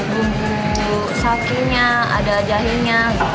bumbu sakinya ada jahenya